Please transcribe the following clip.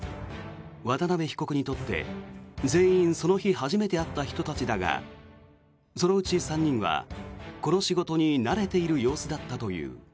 渡邊被告にとって、全員その日初めて会った人たちだがそのうち３人はこの仕事に慣れている様子だったという。